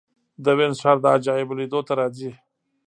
د وینز ښار د عجایبو لیدو ته راځي.